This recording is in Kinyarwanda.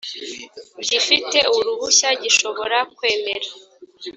gifite uruhushya gishobora kwemera